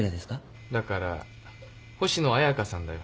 だから星野彩佳さんだよ。